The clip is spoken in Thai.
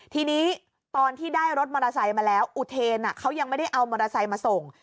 ทีนี้ตอนที่ได้รถมอเตอร์ไซค์มาแล้วอุเทนเขายังไม่ได้เอามอเตอร์ไซค์มาส่ง